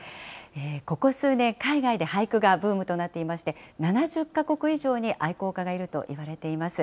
ここ数年、海外で俳句がブームとなっていまして、７０か国以上に愛好家がいるといわれています。